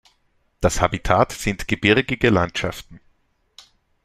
Das Habitat sind gebirgige Landschaften.